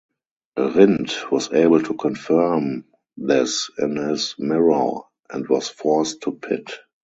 Rindt was able to confirm this in his mirror and was forced to pit.